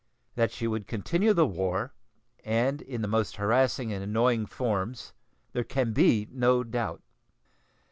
That she would continue the war, and in the most harassing and annoying forms, there can be no doubt.